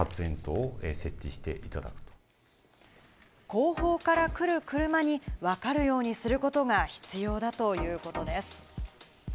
後方から来る車に分かるようにすることが必要だということです。